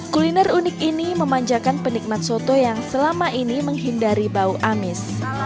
kuliner unik ini memanjakan penikmat soto yang selama ini menghindari bau amis